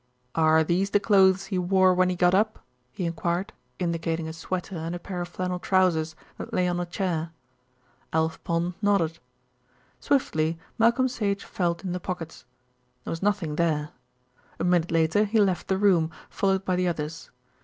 "Are these the clothes he wore when he got up?" he enquired, indicating a sweater and a pair of flannel trousers that lay on a chair. Alf Pond nodded. Swiftly Malcolm Sage felt in the pockets. There was nothing there. A minute later he left the room, followed by the others.